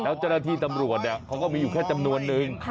แล้วเจ้าหน้าที่ตำรวจเขาก็มีอยู่แค่จำนวนนึง